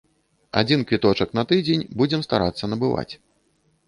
Адзін квіточак на тыдзень будзем старацца набываць.